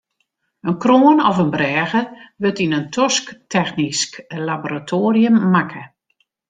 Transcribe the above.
In kroan of in brêge wurdt yn in tosktechnysk laboratoarium makke.